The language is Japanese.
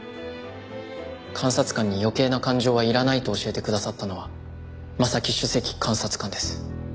監察官に余計な感情はいらないと教えてくださったのは正木首席監察官です。